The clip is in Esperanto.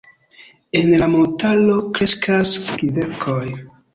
En la montaro kreskas kverkoj.